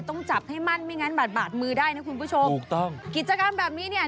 ต้องจับให้มั่นไม่งั้นบาดบาดมือได้นะคุณผู้ชมถูกต้องกิจกรรมแบบนี้เนี่ย